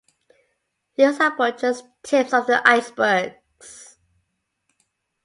These are but just tips of the icebergs.